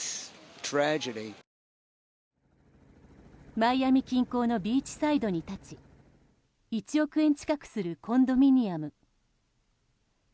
マイアミ近郊のビーチサイドに立ち１億円近くするコンドミニアム。